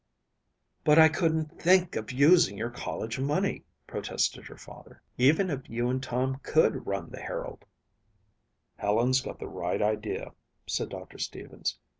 "But I couldn't think of using your college money," protested her father, "even if you and Tom could run the Herald." "Helen's got the right idea," said Doctor Stevens.